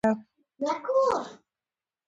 لایحه باید بې طرفه ترتیب شي.